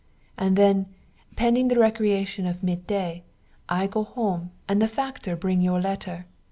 And then, pending the recreation of mid day, I go home and the factor bring your letter!